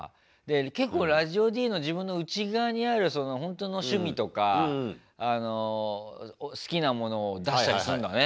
結構ラジオＤの自分の内側にあるほんとの趣味とか好きなものを出したりすんだね。